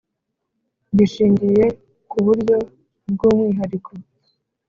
Gishingiye ku buryo bw umwihariko